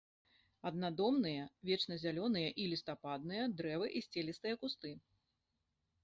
Аднадомныя вечназялёныя і лістападныя дрэвы і сцелістыя кусты.